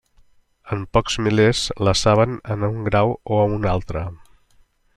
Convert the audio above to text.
Uns pocs milers la saben en un grau o un altre.